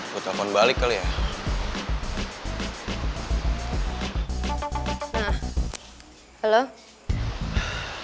buatiftsin bareng disini sih